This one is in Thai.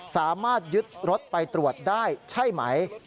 สามารถยึดรถไปตรวจได้ใช่ไหม